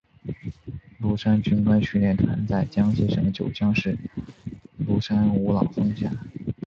庐山军官训练团在江西省九江市庐山五老峰下。